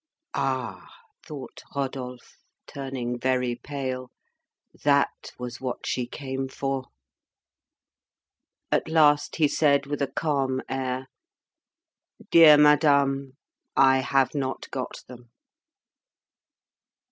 "Ah!" thought Rodolphe, turning very pale, "that was what she came for." At last he said with a calm air "Dear madame, I have not got them."